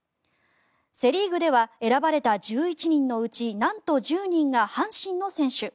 セ・リーグでは選ばれた１１人のうちなんと１０人が阪神の選手。